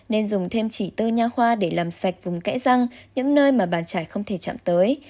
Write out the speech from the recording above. nên dùng thêm chỉ tư nha khoa để làm sạch vùng kẽ răng những nơi mà bạn trải không thể chạm tới